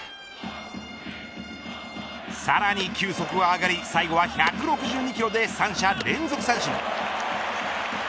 さらに球速は上がり最後は１６２キロで三者連続三振。